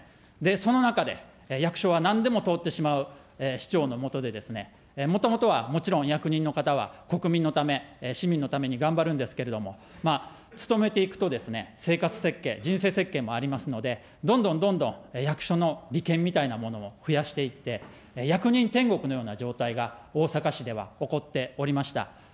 その中で、役所はなんでも通ってしまう市長の下でですね、もともとはもちろん、役人の方は、国民のため、市民のために頑張るんですけれども、つとめていくと、生活設計、人生設計もありますので、どんどんどんどん役所の利権みたいなものも増やしていって、役人天国のような状態が大阪市では起こっておりました。